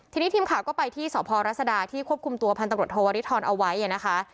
ทีนี้ทีมข่าวก็ไปที่สพรัศดาที่ควบคุมตัวพันตำรวจโทวริทรเอาไว้นะคะ